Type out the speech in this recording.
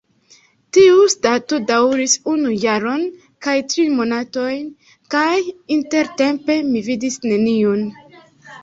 Tiustato daŭris unu jaron kaj tri monatojn, kaj intertempe mi vidis neniun.